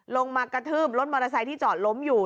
มากระทืบรถมอเตอร์ไซค์ที่จอดล้มอยู่